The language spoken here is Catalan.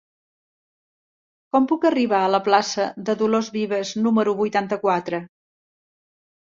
Com puc arribar a la plaça de Dolors Vives número vuitanta-quatre?